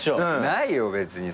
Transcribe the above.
ないよ別に。